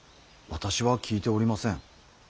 私は聞いておりません。